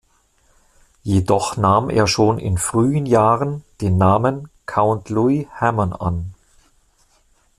Jedoch nahm er schon in frühen Jahren den Namen "Count Louis Hamon" an.